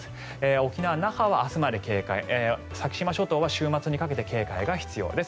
沖縄・那覇、先島諸島は週末にかけて警戒が必要です。